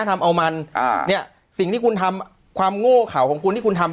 ทำเอามันอ่าเนี่ยสิ่งที่คุณทำความโง่เขาของคุณที่คุณทำ